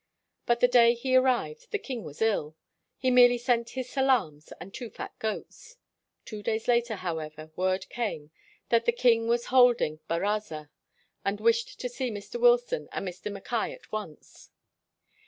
But the day he arrived the king was ill. He merely sent his salaams and two fat goats. Two days later, however, word came that the king was holding baraza, and wished to see Mr. Wilson and Mr. Mackay at once.